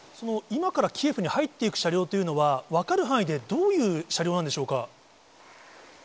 今からキエフに入っていく車両というのは、分かる範囲で、どういう車両なんでしょうか。